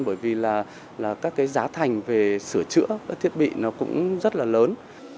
bởi vì các giá thành về sửa chữa thiết bị cũng rất là lớn